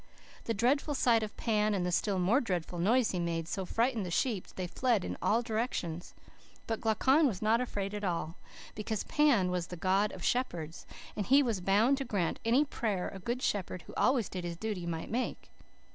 "The dreadful sight of Pan and the still more dreadful noise he made, so frightened the sheep that they fled in all directions. But Glaucon was not afraid at all, because Pan was the god of shepherds, and was bound to grant any prayer a good shepherd, who always did his duty, might make.